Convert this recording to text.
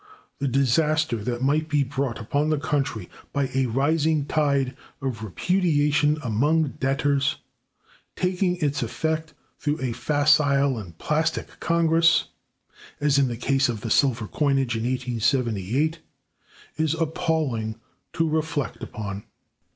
The disaster that might be brought upon the country by a rising tide of repudiation among debtors, taking its effect through a facile and plastic Congress (as in the case of the silver coinage in 1878), is appalling to reflect upon.